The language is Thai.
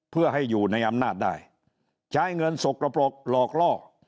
เพื่อให้อยู่ในอำนาจได้ใช้เงินสกปรกหลอกล่อ